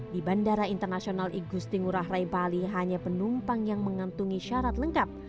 di bandara internasional igusti ngurah rai bali hanya penumpang yang mengantungi syarat lengkap